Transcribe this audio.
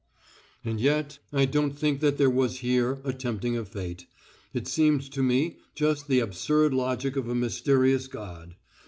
And yet I don't think that there was here a tempting of Fate, it seemed to me just the absurd logic of a mysterious god.